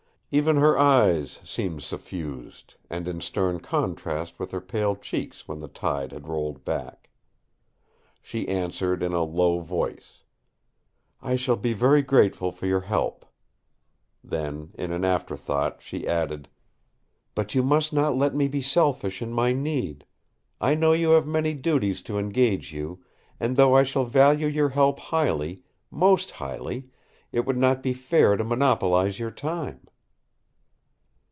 Even her eyes seemed suffused, and in stern contrast with her pale cheeks when the tide had rolled back. She answered in a low voice: "I shall be very grateful for your help!" Then in an afterthought she added: "But you must not let me be selfish in my need! I know you have many duties to engage you; and though I shall value your help highly—most highly—it would not be fair to monopolise your time."